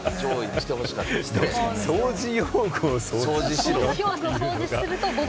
掃除用具を掃除しろって。